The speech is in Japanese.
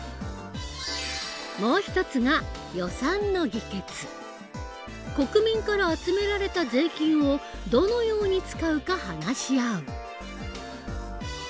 もう一つが国民から集められた税金をどのように使うか話し合う。